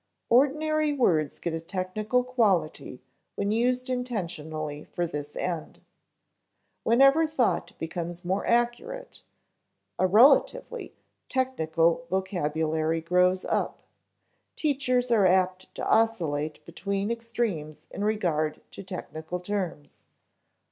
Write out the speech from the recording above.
Ordinary words get a technical quality when used intentionally for this end. Whenever thought becomes more accurate, a (relatively) technical vocabulary grows up. Teachers are apt to oscillate between extremes in regard to technical terms.